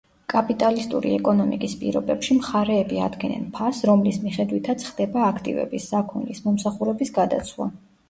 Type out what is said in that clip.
კაპიტალისტური ეკონომიკის პირობებში მხარეები ადგენენ ფასს, რომლის მიხედვითაც ხდება აქტივების, საქონლის, მომსახურების გადაცვლა.